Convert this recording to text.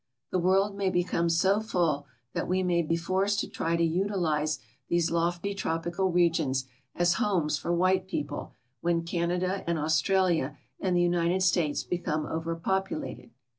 The world may become so full that we ma}'' be forced to try to utilize these lofty tropical regions as homes for white people when Canada and Australia and the United States become over populated.